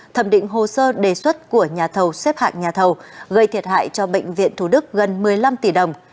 thẩm định hồ sơ đề xuất của nhà thầu xếp hạng nhà thầu gây thiệt hại cho bệnh viện thủ đức gần một mươi năm tỷ đồng